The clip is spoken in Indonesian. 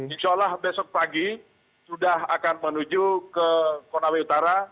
insya allah besok pagi sudah akan menuju ke konawe utara